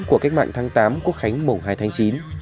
của cách mạng tháng tám quốc khánh mùng hai tháng chín